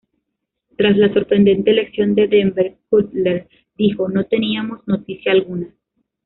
Tras la sorprendente elección de Denver, Cutler dijo: "No teníamos noticia alguna.